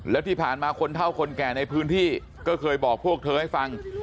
แล้วที่ผ่านมาคนเท่าคนแก่ในพื้นที่ก็เคยบอกพวกเธอให้ฟัง